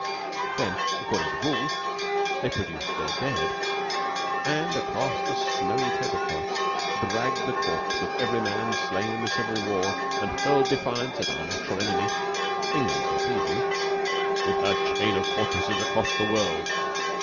Then, according to rule, they produced their dead, and across the snowy tablecloths dragged the corpse of every man slain in the Civil War, and hurled defiance at "our natural enemy" (England, so please you), "with her chain of fortresses across the world."